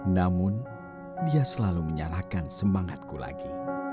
namun dia selalu menyalahkan semangatku lagi